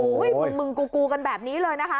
เมืองเมืองกูกูกันแบบนี้เลยนะคะ